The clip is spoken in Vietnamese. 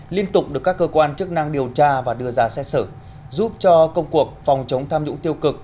liên tục được các cơ quan chức năng điều tra và đưa ra xét xử giúp cho công cuộc phòng chống tham nhũng tiêu cực